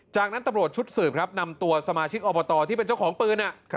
จากนั้นตำรวจชุดสืบครับนำตัวสมาชิกอบตที่เป็นเจ้าของปืน